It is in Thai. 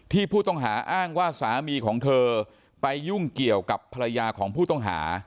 ผู้ต้องหาอ้างว่าสามีของเธอไปยุ่งเกี่ยวกับภรรยาของผู้ต้องหา